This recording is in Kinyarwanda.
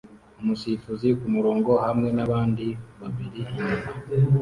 Umusifuzi kumurongo hamwe nabandi babiri inyuma